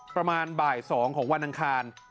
ประมาณบ่าย๒ของวันอังคาร